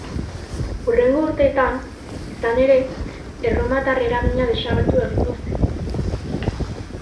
Hurrengo urteetan, izan ere, erromatar eragina desagertu egingo zen.